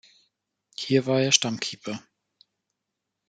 Hier war er Stammkeeper.